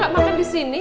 eh kok gak makan di sini